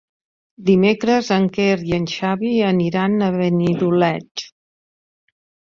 Dimecres en Quer i en Xavi aniran a Benidoleig.